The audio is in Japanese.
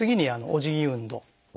「おじぎ運動」。